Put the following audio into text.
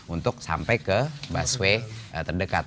untuk sampai ke busway terdekat